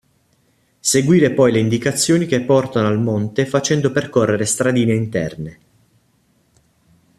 Seguire poi le indicazioni che portano al monte facendo percorrere stradine interne.